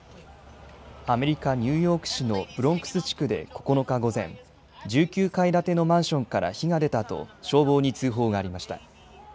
アメリカ・ニューヨーク市のブロンクス地区で９日午前、１９階建てのマンションから火が出たと、消防に通報がありました。